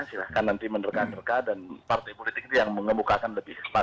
silahkan nanti menerka nerka dan partai politik itu yang mengemukakan lebih cepat